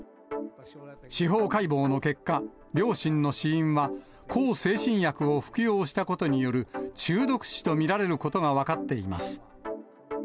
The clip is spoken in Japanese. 司法解剖の結果、両親の死因は向精神薬を服用したことによる中毒死と見られることが分かっています。